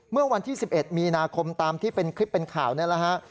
เมื่อวันที่๑๑มีนาคมตามที่เป็นคลิปเป็นข่าวนี่แหละฮะ